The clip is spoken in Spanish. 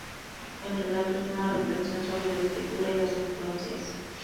El relato es una reflexión sobre la escritura y las influencias.